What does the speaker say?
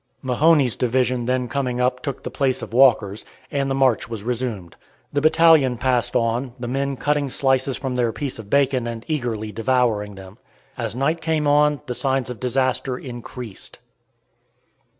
Mahone's division then coming up took the place of Walker's, and the march was resumed. The battalion passed on, the men cutting slices from their piece of bacon and eagerly devouring them. As night came on the signs of disaster increased.